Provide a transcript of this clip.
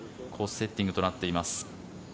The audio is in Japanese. セッティングとなっています。